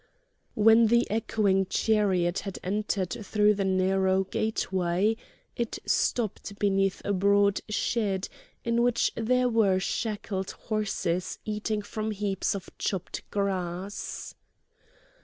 When the echoing chariot had entered through the narrow gateway it stopped beneath a broad shed in which there were shackled horses eating from heaps of chopped grass.